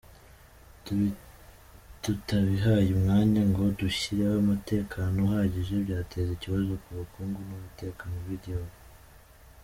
Tutabihaye umwanya ngo dushyireho umutekano uhagije, byatera ikibazo ku bukungu n’umutekano by’igihugu”.